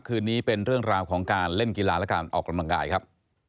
คืนนี้เป็นเรื่องราวของการเล่นกีฬาและการออกกำลังกายครับ